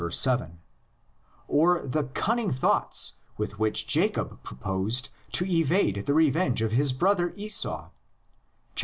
7) ; or the cunning thoughts with which Jacob proposed to evade the revenge of his brother Esau (xxxii.